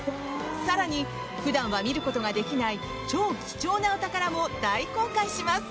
更に、普段は見ることができない超貴重なお宝も大公開します。